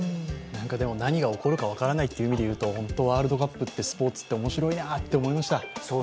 でも、何が起こるかわからないという意味でいうと、ワールドカップスポーツって面白いなと思いました。